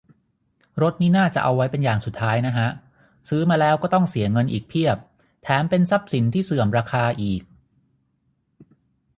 รถนี่น่าจะเอาไว้เป็นอย่างสุดท้ายนะฮะ ซื้อมาแล้วต้องเสียเงินอีกเพียบ แถมเป็นทรัพย์สินที่เสื่อมราคาอีก